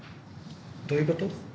どういうこと？